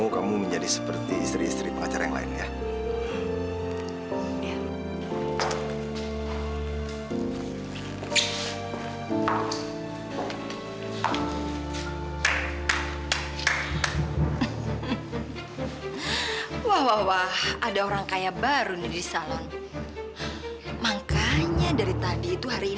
sampai jumpa di video selanjutnya